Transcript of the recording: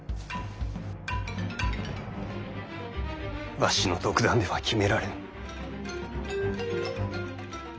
わしの独断では決められぬ。